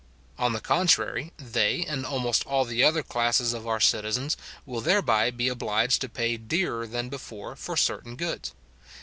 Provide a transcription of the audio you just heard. On the contrary, they, and almost all the other classes of our citizens, will thereby be obliged to pay dearer than before for certain goods.